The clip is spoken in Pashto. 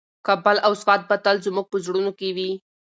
کابل او سوات به تل زموږ په زړونو کې وي.